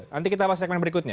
nanti kita bahas segmen berikutnya